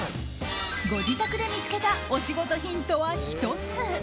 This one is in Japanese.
ご自宅で見つけたお仕事ヒントは１つ。